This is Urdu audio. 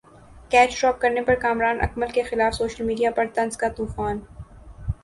کیچ ڈراپ کرنے پر کامران اکمل کیخلاف سوشل میڈیا پر طنز کا طوفان